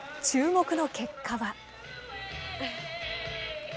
注目の結果は。